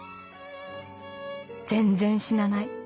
全然死なない。